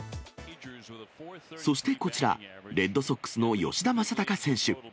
そしてこちら、レッドソックスの吉田正尚選手。